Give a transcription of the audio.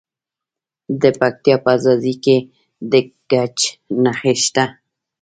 د پکتیا په ځاځي کې د ګچ نښې شته.